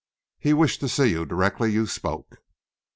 He wished to see you directly you spoke."